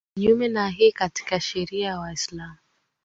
Kinyume na hii katika sheria ya Waislamu